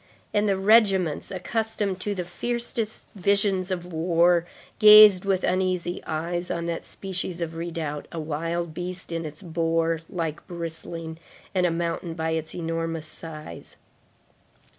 and the regiments, accustomed to the fiercest visions of war, gazed with uneasy eyes on that species of redoubt, a wild beast in its boar like bristling and a mountain by its enormous size.